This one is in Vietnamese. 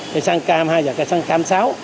cây xăng cam hai và cây xăng cam sáu